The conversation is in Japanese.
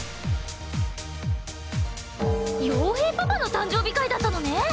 洋平パパの誕生日会だったのね！